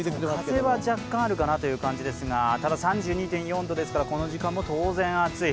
風は若干あるかなという感じですがただ３２．４度ですからこの時間も当然暑い。